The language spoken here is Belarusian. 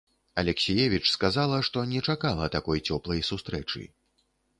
Алексіевіч сказала, што не чакала такой цёплай сустрэчы.